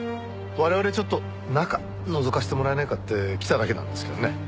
我々ちょっと中のぞかせてもらえないかって来ただけなんですけどね。